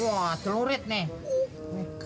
wah telurit nih